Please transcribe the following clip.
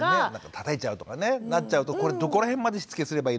たたいちゃうとかねなっちゃうとこれどこら辺までしつけすればいいのかとかね。